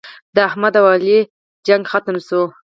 د احمد او علي لانجه ختمه شوه.